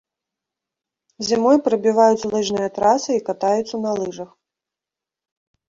Зімой прабіваюць лыжныя трасы і катаюцца на лыжах.